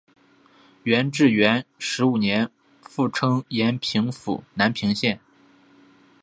元至元十五年复称延平府南平县。